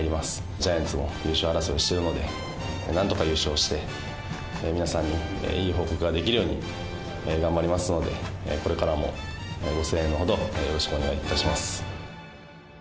ジャイアンツも優勝争いしているので、なんとか優勝して、皆さんにいい報告ができるように頑張りますので、これからもご声援のほど、よろしくお願いいたします。